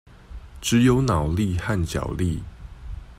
只有腦力和腳力